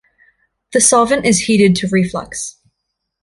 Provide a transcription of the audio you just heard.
The solvent is heated to reflux.